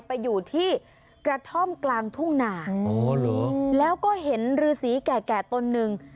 ไปอยู่ที่กระท่อมกลางทุ่งนาแล้วก็เห็นฤาษีแก่ตนหนึ่ง